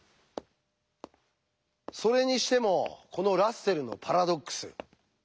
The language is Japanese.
それにしてもこのラッセルのパラドックス